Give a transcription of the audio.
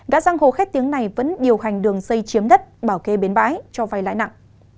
gã giang hồ khách tiếng này vẫn điều hành đường xây chiếm đất bảo kê bến bãi cho vay lãi nặng